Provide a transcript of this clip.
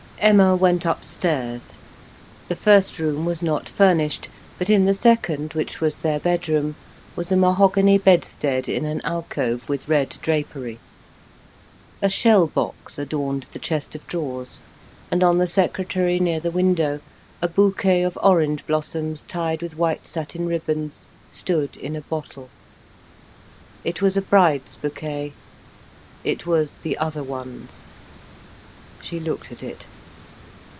Emma went upstairs. The first room was not furnished, but in the second, which was their bedroom, was a mahogany bedstead in an alcove with red drapery. A shell box adorned the chest of drawers, and on the secretary near the window a bouquet of orange blossoms tied with white satin ribbons stood in a bottle. It was a bride's bouquet; it was the other one's. She looked at it.